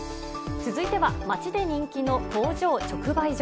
続いては、町で人気の工場直売所。